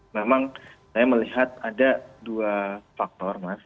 memang saya melihat ada dua faktor mas